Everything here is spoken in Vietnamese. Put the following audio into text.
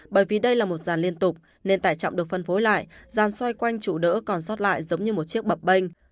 bởi vì đây là một dàn liên tục nên tải trọng được phân phối lại dàn xoay quanh trụ đỡ còn sót lại giống như một chiếc bập bênh